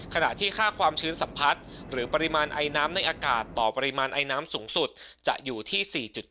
ขณะที่ค่าความชื้นสัมผัสหรือปริมาณไอน้ำในอากาศต่อปริมาณไอน้ำสูงสุดจะอยู่ที่๔๗